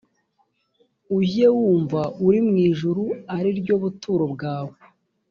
ujye wumva uri mu ijuru ari ryo buturo bwawe